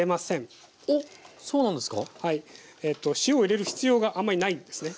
塩を入れる必要があんまりないんですね。